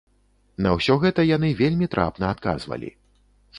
На ўсё гэта яны вельмі трапна адказвалі.